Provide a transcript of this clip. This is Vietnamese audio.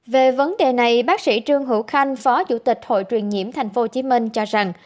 về vấn đề này bác sĩ trương hữu khanh phó chủ tịch hội truyền nhiễm tp hcm cho rằng